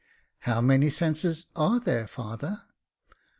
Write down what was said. " How many senses are there, father